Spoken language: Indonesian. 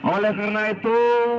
oleh karena itu